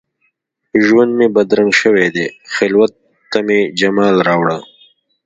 ژوند مي بدرنګ شوی دي، خلوت ته مي جمال راوړه